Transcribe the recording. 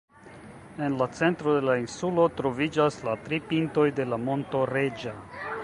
En la centro de la insulo troviĝas la tri pintoj de la monto Reĝa.